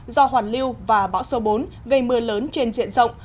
do hoàn lưu và bão số bốn gây mưa lớn trên diện rộng